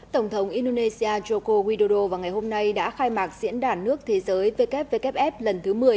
tổng thống indonesia joko widodo vào ngày hôm nay đã khai mạc diễn đàn nước thế giới wwf lần thứ một mươi